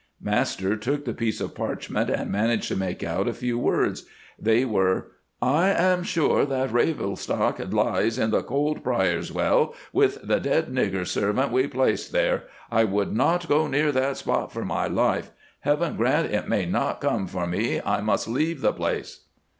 "Master took the piece of parchment and managed to make out a few words. They were—'I am sure that Ravelstocke lies in the old Prior's Well, with the dead nigger servant we placed there. I would not go near that spot for my life. Heaven grant it may not come for me, I must leave the place.